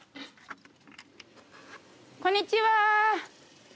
こんにちは！